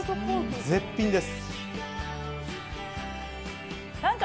絶品です。